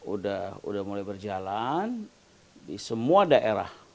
udah mulai berjalan di semua daerah